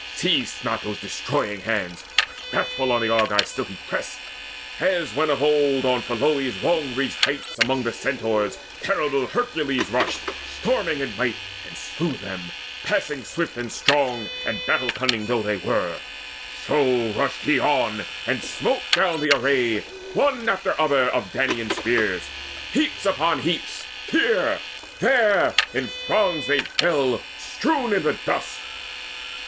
Ceased not those destroying hands, But wrathful on the Argives still he pressed, As when of old on Pholoe's long ridged heights Upon the Centaurs terrible Hercules rushed Storming in might, and slew them, passing swift And strong and battle cunning though they were; So rushed he on, so smote he down the array, One after other, of the Danaan spears. Heaps upon heaps, here, there, in throngs they fell Strewn in the dust.